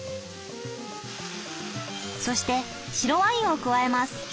そして白ワインを加えます。